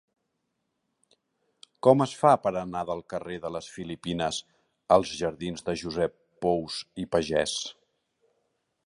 Com es fa per anar del carrer de les Filipines als jardins de Josep Pous i Pagès?